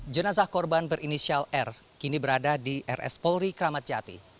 jenazah korban berinisial r kini berada di rs polri kramat jati